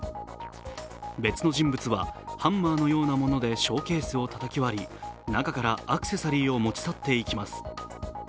別の人物は、ハンマーのようなものでショーケースをたたき割り中からアクセサリーを持ち去っていきます。